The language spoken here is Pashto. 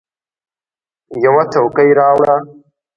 یوه څوکۍ راوړه !